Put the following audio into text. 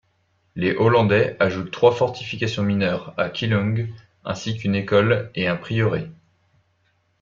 Les Hollandais ajoutent trois fortifications mineures à Keelung, ainsi qu’une école et un prieuré.